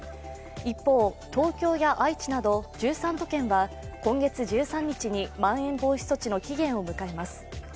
一方、東京や愛知など１３都県は今月１３日にまん延防止措置の期限を迎えます。